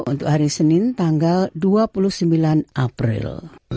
untuk hari senin tanggal dua puluh sembilan april